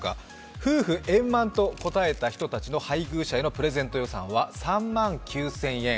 夫婦円満と答えた人たちの配偶者へのプレゼント予算は３万９０００円。